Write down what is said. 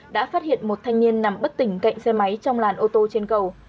đã phát hiện một thanh niên nằm bất tỉnh cạnh xe máy trong làn ô tô trên cầu